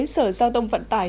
từ ngày một mươi tháng ba tới